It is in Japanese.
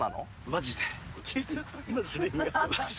マジで。